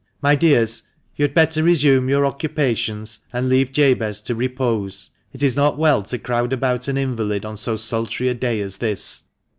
"My dears, you had better resume your occupations, and leave Jabez to repose ; it is not well to crowd about an invalid on so sultry a day as this."